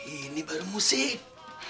ini baru musik